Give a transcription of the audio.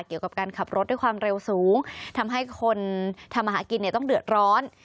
เกี่ยวกับการขับรถด้วยความเร็วสูงทำให้คนทำอาหารกินเนี่ยต้องเดือดร้อน